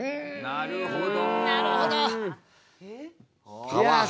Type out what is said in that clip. なるほど。